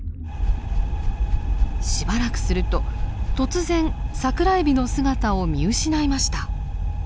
しばらくすると突然サクラエビの姿を見失いました。